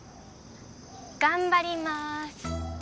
頑張りまーす。